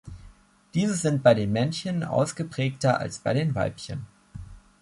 Diese sind bei den Männchen ausgeprägter als bei den Weibchen.